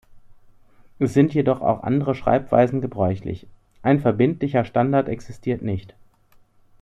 Es sind jedoch auch andere Schreibweisen gebräuchlich; ein verbindlicher Standard existiert nicht.